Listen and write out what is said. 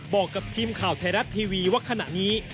บอกกับทีมข่าวไทยรัฐทีวีว่าขณะนี้